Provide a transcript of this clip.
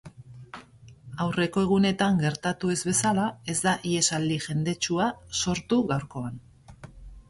Aurreko egunetan gertatu ez bezala, ez da ihesaldi jendetsua sortu gaurkoan.